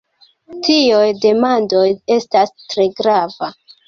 Tioj demandoj estas tre grava!